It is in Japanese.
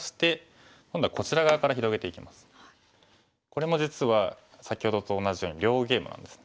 これも実は先ほどと同じように両ゲイマなんです。